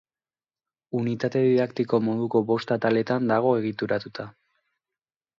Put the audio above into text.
Unitate didaktiko moduko bost ataletan dago egituratuta.